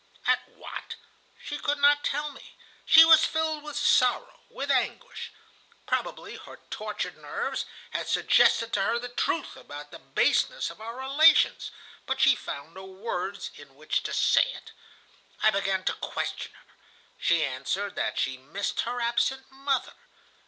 "At what? She could not tell me. She was filled with sorrow, with anguish. Probably her tortured nerves had suggested to her the truth about the baseness of our relations, but she found no words in which to say it. I began to question her; she answered that she missed her absent mother.